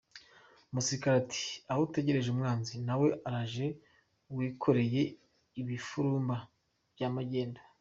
Umusirikare ari aho ategereje umwanzi, nawe uraje wikoreye ibifurumba bya magendu.